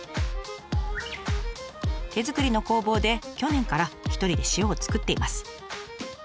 手作りの工房で去年から一人で塩を作っています。